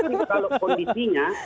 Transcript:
tapi kalau kondisinya